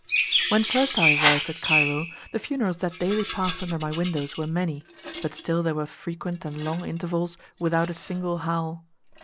When first I arrived at Cairo the funerals that daily passed under my windows were many, but still there were frequent and long intervals without a single howl.